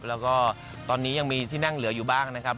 แล้วก็ตอนนี้ยังมีที่นั่งเหลืออยู่บ้างนะครับ